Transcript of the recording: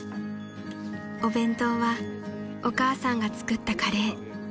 ［お弁当はお母さんが作ったカレー］